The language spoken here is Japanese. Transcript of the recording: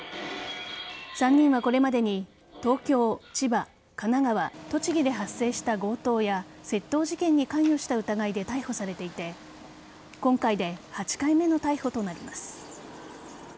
３人は、これまでに東京、千葉、神奈川栃木で発生した強盗や窃盗事件に関与した疑いで逮捕されていて今回で８回目の逮捕となります。